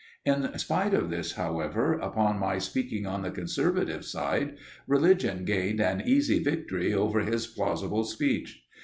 In spite of this, however, upon my speaking on the conservative side, religion gained an easy victory over his plausible speech.